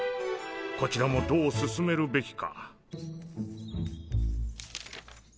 こちらもどう進めるべきか。